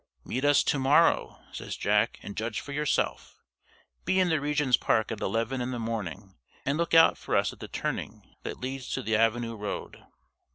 "Meet us to morrow," says Jack, "and judge for yourself. Be in the Regent's Park at eleven in the morning, and look out for us at the turning that leads to the Avenue Road."